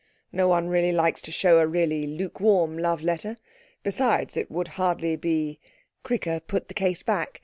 No one really likes to show a really lukewarm love letter. Besides it would hardly be ' Cricker put the case back.